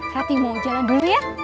hati mau jalan dulu ya